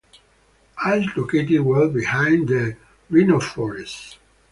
Eyes located well behind the rhinophores.